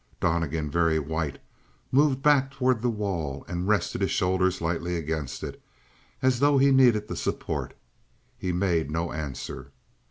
Donnegan, very white, moved back toward the wall and rested his shoulders lightly against it, as though he needed the support. He made no answer.